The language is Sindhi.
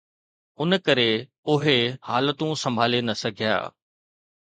ان ڪري اهي حالتون سنڀالي نه سگهيا.